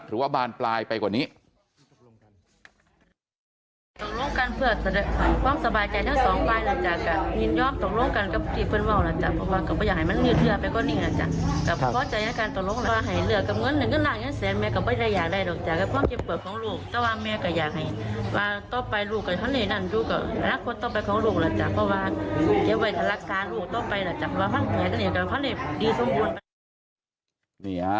ว่าบานปลายไปกว่านี้